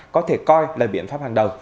có thể coi là biện pháp hàng đầu